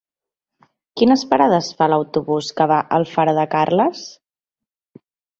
Quines parades fa l'autobús que va a Alfara de Carles?